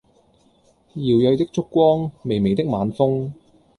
搖曳的燭光、微微的晚風